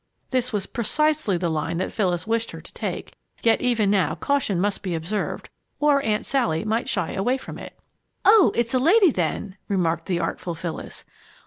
This was precisely the line that Phyllis wished her to take, yet even now caution must be observed or Aunt Sally might shy away from it. "Oh, it's a lady then!" remarked the artful Phyllis.